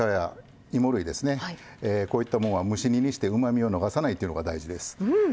こういったものは蒸し煮にしてうまみを逃さないというのが大事です。